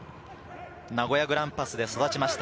名古屋グランパスで育ちました。